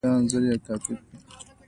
ساکښ د ژوندي جسم يا موجود مانا لري.